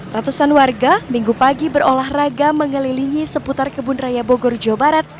ratusan warga minggu pagi berolahraga mengelilingi seputar kebun raya bogor jawa barat